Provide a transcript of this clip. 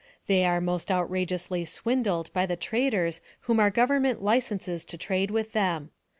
They are most outrageously swindled by the traders whom our Government licenses to trade with them.